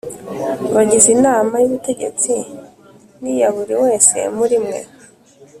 bagize Inama y ubutegetsi n iya buri wese muri mwe